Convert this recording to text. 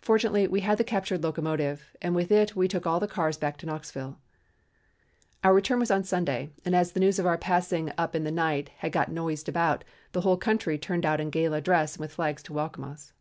Fortunately we had the captured locomotive, and with it we took all the cars back to Knoxville. Our return was on Sunday, and as the news of our passing up in the night had got noised about, the whole country turned out in gala dress and with flags to welcome us."